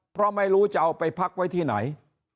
เพราะไม่รู้จะเอาไปพักไว้ที่ไหน